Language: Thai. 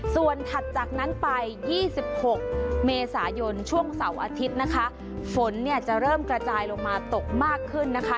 ส่วนถัดจากนั้นไป๒๖เมษายนช่วงเสาร์อาทิตย์นะคะฝนเนี่ยจะเริ่มกระจายลงมาตกมากขึ้นนะคะ